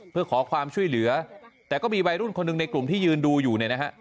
เพื่อขอความช่วยเหลือแต่ก็มีวัยรุ่นคนหนึ่งในกลุ่มที่ยืนดูอยู่เนี่ยนะฮะ